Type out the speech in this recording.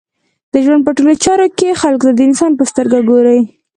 د ژوند په ټولو چارو کښي خلکو ته د انسان په سترګه ګورئ!